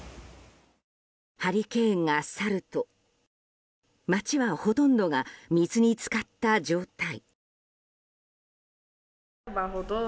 ハリケーンが去ると街はほとんどが水に浸かった状態。